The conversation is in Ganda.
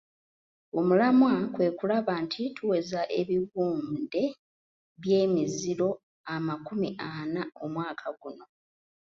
Omulamwa kwe kulaba nti tuweza ebiwunde by'emiziro amakumi ana omwaka guno.